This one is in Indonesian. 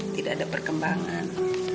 tidak ada perkembangan